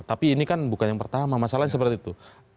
tapi ini kan bukan yang pertama masalahnya seperti itu